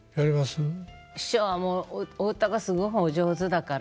師匠はもうお歌がすごいお上手だから。